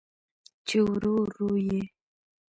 چې ورو، ورو یې